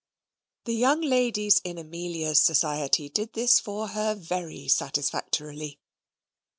The young ladies in Amelia's society did this for her very satisfactorily.